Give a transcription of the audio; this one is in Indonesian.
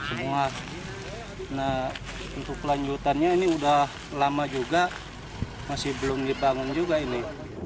nah untuk kelanjutannya ini udah lama juga masih belum dibangun juga ini